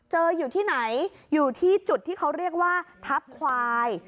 อยู่ที่ไหนอยู่ที่จุดที่เขาเรียกว่าทัพควาย